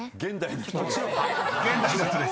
［はい現代の人です］